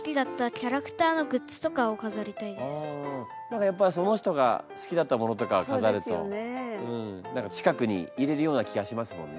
何かやっぱりその人が好きだったものとかをかざると何か近くにいれるような気がしますもんね。